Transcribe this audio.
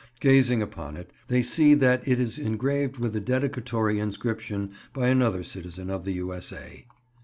Gazing upon it, they see that it is engraved with a dedicatory inscription by another citizen of the U.S.A.